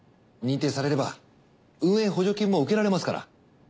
認定されれば運営補助金も受けられますから。